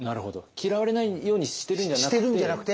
嫌われないようにしてるんじゃなくて。